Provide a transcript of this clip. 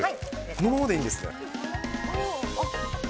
このままでいいんですね。